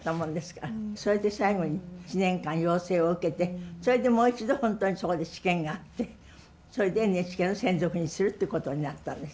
それで最後に１年間養成を受けてそれでもう一度本当にそこで試験があってそれでＮＨＫの専属にするってことになったんです。